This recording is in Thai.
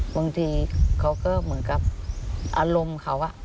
บางทีเขาก็เหมือนกับอารมณ์เขา